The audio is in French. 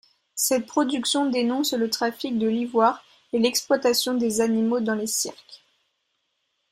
Cette production dénonce le trafic de l'ivoire et l'exploitation des animaux dans les cirques.